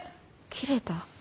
切れた。